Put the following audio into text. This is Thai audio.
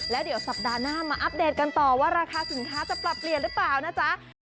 แล้วเดี๋ยวสัปดาห์หน้ามาอัปเดตกันต่อว่าราคาสินค้าจะปรับเปลี่ยนหรือเปล่านะจ๊ะ